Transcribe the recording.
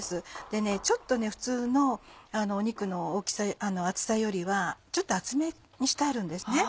でねちょっと普通の肉の厚さよりはちょっと厚めにしてあるんですね。